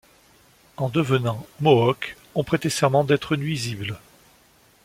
En devenant mohock, on prêtait serment d’être nuisible.